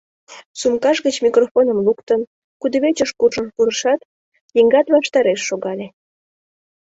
Сумкаж гыч микрофоным луктын, кудывечыш куржын пурышат, Йыгнат ваштареш шогале.